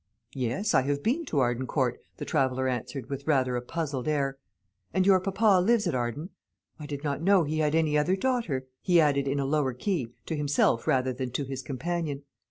"Yes, I have been to Arden Court," the traveller answered, with rather a puzzled air. "And your papa lives at Arden? I did not know he had any other daughter," he added in a lower key, to himself rather than to his companion.